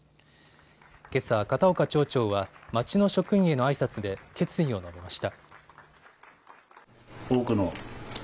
けさ、片岡町長は町の職員へのあいさつで決意を述べました。